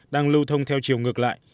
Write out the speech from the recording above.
đang lưu thông theo chiều ngược lại